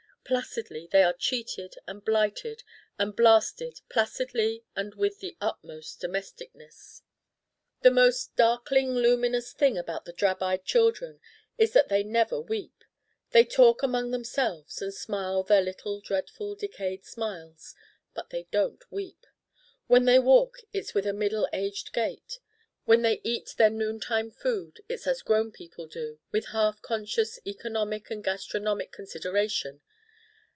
Placidly they are cheated and blighted and blasted, placidly and with the utmost domesticness. The most darkling luminous thing about the Drab Eyed children is that they never weep. They talk among themselves and smile their little dreadful decayed smiles, but they don't weep. When they walk it's with a middle aged gait: when they eat their noontime food it's as grown people do, with half conscious economic and gastronomic consideration.